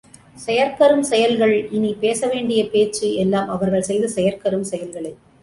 செயற்கரும் செயல்கள் இனி, பேச வேண்டிய பேச்சு எல்லாம் அவர்கள் செய்த செயற்கரும் செயல்களே.